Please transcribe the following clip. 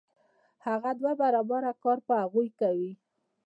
هغه دوه برابره کار په هغوی کوي